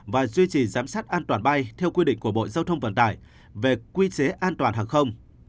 và duy trì giám sát an toàn bay theo quy định của bộ giao thông vận tải về quy chế an toàn hàng không